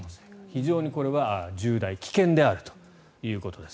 非常にこれは重大危険であるということです。